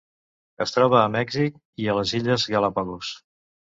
Es troba a Mèxic i a les Illes Galápagos.